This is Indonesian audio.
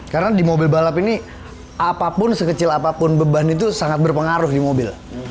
karena di mobil balap ini apapun sekecil apapun beban itu sangat berpengaruh di mobil